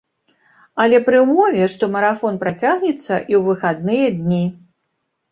Але пры ўмове, што марафон працягнецца і ў выхадныя дні.